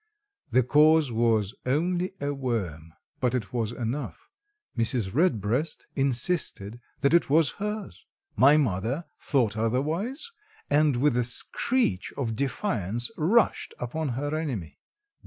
The cause was only a worm, but it was enough. Mrs. Redbreast insisted that it was hers. My mother thought otherwise, and with a screech of defiance rushed upon her enemy.